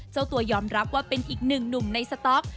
เจ้าตัวยอมรับว่าเป็นอีกหนึ่งหนุ่มในสต๊อก